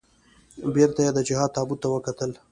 چې بېرته یې د جهاد تابوت ته وکتل.